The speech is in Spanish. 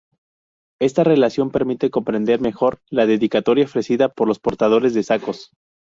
Esta relación permite comprender mejor la dedicatoria ofrecida por los portadores de sacos.